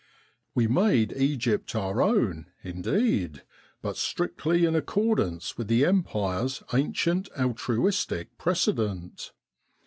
We made Egypt our own, indeed, but strictly in accordance with the Empire's ancient altruistic precedent.